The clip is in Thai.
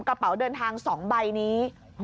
กระเป๋าเดินทาง๒ใบนี้